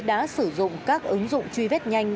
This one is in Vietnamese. đang sử dụng các ứng dụng truy vết nhanh